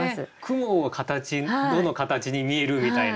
雲の形どの形に見えるみたいな。